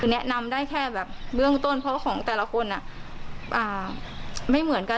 คือแนะนำได้แค่แบบเบื้องต้นเพราะว่าของแต่ละคนไม่เหมือนกัน